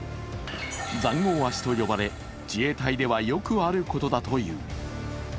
ざんごう足と呼ばれ、自衛隊ではよくあることだという。